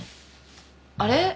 あれ？